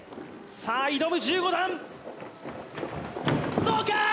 さあ挑む１５段どうか？